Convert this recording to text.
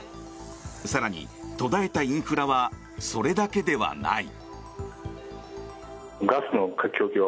更に、途絶えたインフラはそれだけではない。